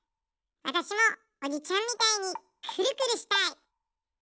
わたしもおじちゃんみたいにくるくるしたい！